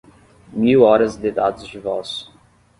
mil horas de dados de voz